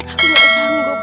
aku tidak sanggup